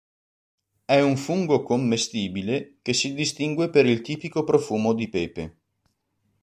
È un fungo commestibile, che si distingue per il tipico profumo di pepe.